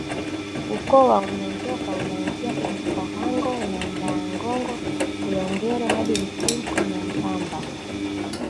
Ukoo wa Unyanjoka unaanzia Ikhangao na Ndaangongo Ilongero hadi Mtinko na Mpambaa